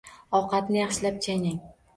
Ovqatni yaxshilab chaynang.